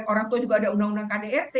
orang tua juga ada undang undang kdrt